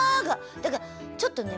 だからちょっとね